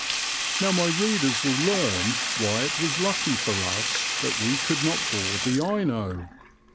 Now my readers will learn why it was lucky for us that we could not board the Ino.